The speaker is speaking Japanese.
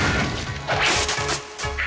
あ！